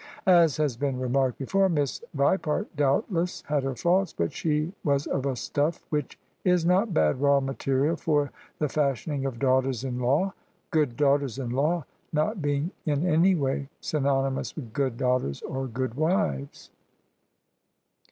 As has been remarked before. Miss Vipart doubtless had her faults : but she was of a stuff which is not bad raw material for the fashioning of daughters in law: good daughters in law not being in any way synony mous with good daughters or good wives.